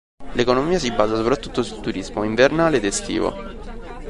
L'economia si basa soprattutto sul turismo, invernale ed estivo.